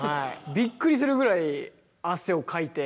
びっくりするぐらい汗をかいて。